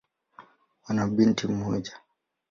Wana binti mmoja.